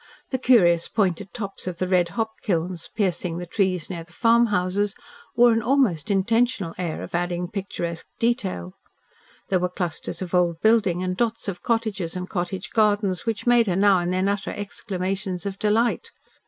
The curious pointed tops of the red hopkilns, piercing the trees near the farmhouses, wore an almost intentional air of adding picturesque detail. There were clusters of old buildings and dots of cottages and cottage gardens which made her now and then utter exclamations of delight.